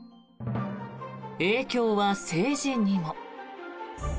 影響は政治にも。